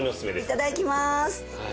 いただきます。